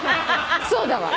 そうだわ。